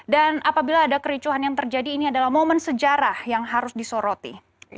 dan apabila ada kericuhan yang terjadi ini adalah momen sejarah yang harus disoroti